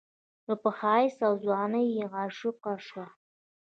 نو پۀ ښايست او ځوانۍ يې عاشقه شوه